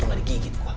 itu gak digigit gua